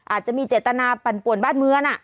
อาจจะมีเจตนาปั่นป่วนบ้านเมือง